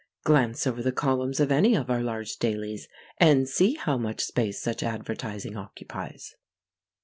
Glance over the columns of any of our large dailies and see how much space such advertising occupies.